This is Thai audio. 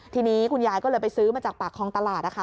ทีนี้คุณยายก็เลยไปซื้อมาจากปากคลองตลาดนะคะ